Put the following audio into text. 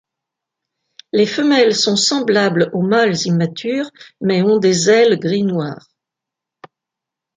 Les femelles sont semblables aux mâles immatures, mais ont des ailes gris-noir.